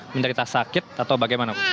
menderita sakit atau bagaimana bu